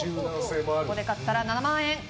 ここで勝ったら７万円。